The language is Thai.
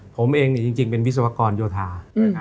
ผมเองจริงเป็นวิศวกรโยธา